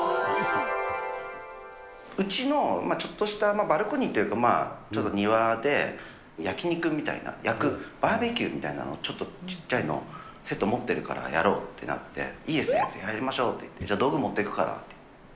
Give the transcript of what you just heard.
うちのちょっとしたバルコニーというと、ちょっと庭で、焼き肉みたいな、焼く、バーベキューみたいなのを、ちょっとちっちゃいの、セット持ってるからやろうってなって、いいですね、やりましょう！っていって、じゃあ、道具持っていくからっていって。